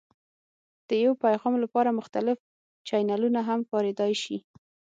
د یو پیغام لپاره مختلف چینلونه هم کارېدای شي.